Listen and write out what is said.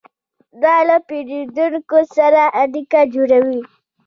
دا له پیرودونکو سره اړیکه جوړوي.